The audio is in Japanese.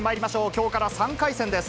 きょうから３回戦です。